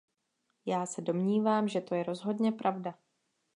Já se domnívám, že to je rozhodně pravda.